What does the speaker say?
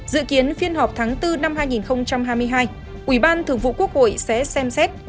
dự kiến phiên họp tháng bốn năm hai nghìn hai mươi hai ủy ban thường vụ quốc hội sẽ xem xét